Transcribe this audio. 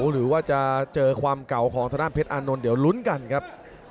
หรือว่าจะเจอความเก่าของทางด้านเพชรอานนท์เดี๋ยวลุ้นกันครับ